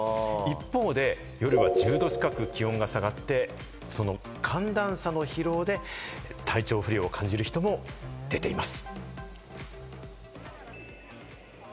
一方、夜は１０度近く気温が下がって、寒暖差の疲労で体調不良を感じる人も出ています。